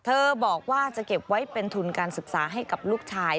บอกว่าจะเก็บไว้เป็นทุนการศึกษาให้กับลูกชาย